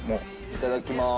いただきます。